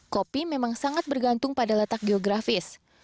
kopi memang sangat bergantung pada letak geografis